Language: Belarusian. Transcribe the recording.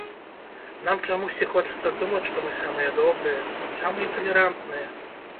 Нам чамусьці хочацца думаць, што мы самыя добрыя, самыя талерантныя.